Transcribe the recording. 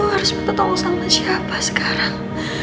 gue harus bertolong sama siapa sekarang